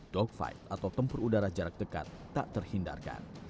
dogfight atau tempur udara jarak dekat tak terhindarkan